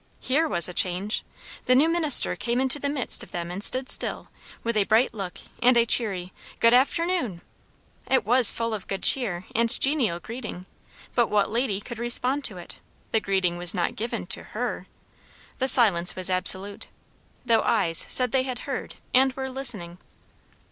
Here was a change! The new minister came into the midst of them and stood still, with a bright look and a cheery "Good afternoon!" It was full of good cheer and genial greeting; but what lady could respond to it? The greeting was not given to her. The silence was absolute; though eyes said they had heard, and were listening.